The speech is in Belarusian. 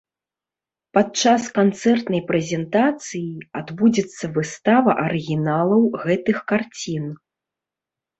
Падчас канцэртнай прэзентацыі адбудзецца выстава арыгіналаў гэтых карцін.